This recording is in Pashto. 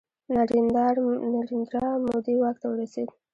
نریندرا مودي واک ته ورسید.